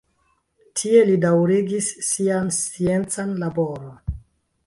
Tie li daŭrigis sian sciencan laboron.